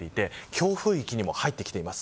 強風域にも入ってきています。